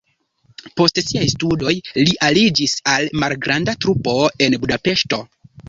Post siaj studoj li aliĝis al malgranda trupo en Budapeŝto.